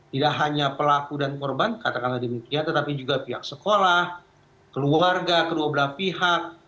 tidak hanya pelaku dan korban katakanlah demikian tetapi juga pihak sekolah keluarga kedua belah pihak